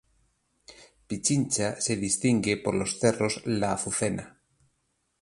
Pichincha se distingue por los cerros la Azucena.